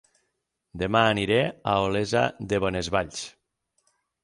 Dema aniré a Olesa de Bonesvalls